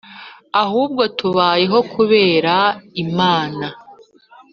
Ahubwo tubayeho kubera imana